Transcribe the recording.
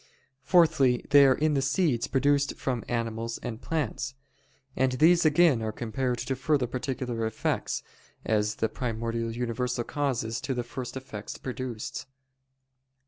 _ Fourthly, they are in the seeds produced from animals and plants. And these again are compared to further particular effects, as the primordial universal causes to the first effects produced.